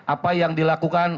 apa yang dilakukan